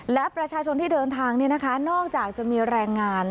และประชาชนที่เดินทางนอกจากจะมีแรงงาน